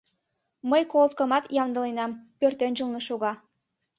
Мый колоткамат ямдыленам, пӧртӧнчылнӧ шога.